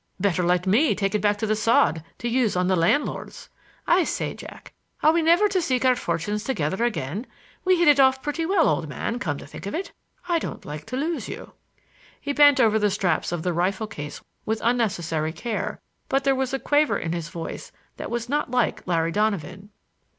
Better let me take it back to The Sod to use on the landlords. I say, Jack, are we never to seek our fortunes together again? We hit it off pretty well, old man, come to think of it,—I don't like to lose you." He bent over the straps of the rifle case with unnecessary care, but there was a quaver in his voice that was not like Larry Donovan.